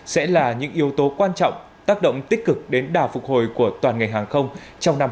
sẽ là những yếu tố quan trọng tác động tích cực đến đà phục hồi của toàn ngành hàng không trong năm hai nghìn hai mươi